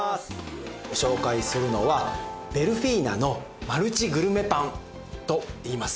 ご紹介するのはベルフィーナのマルチグルメパンといいます。